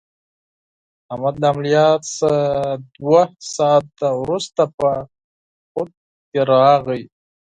احمد له عملیات څخه دوه ساعته ورسته په خود کې راغی.